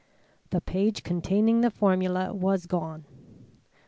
The page containing the formula was gone!